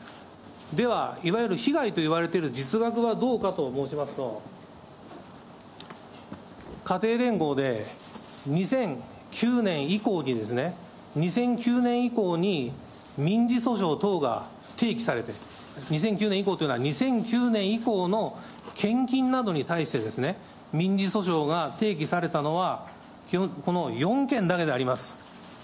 ではいわゆる被害といわれている実額はどうかと申しますと、家庭連合で２００９年以降に、２００９年以降に民事訴訟等が提起されて、２００９年以降というのは、２００９年以降の献金などに対して、民事訴訟が提起されたのは、この４件だけであります。